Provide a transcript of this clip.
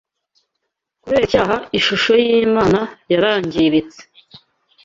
Kubera icyaha, ishusho y’Imana yarangiritse